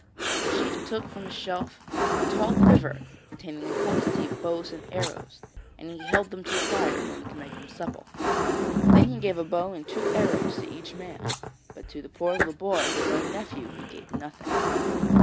The chief took from a shelf a tall quiver containing a quantity of bows and arrows, and he held them to the fire in order to make them supple. Then he gave a bow and two arrows to each man, but to the poor little boy, his own nephew, he gave nothing.